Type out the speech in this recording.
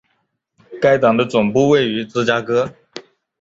该党的总部位于芝加哥。